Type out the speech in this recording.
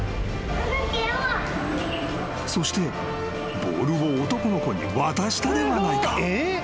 ［そしてボールを男の子に渡したではないか］